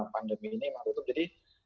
pandemi ini emang tutup jadi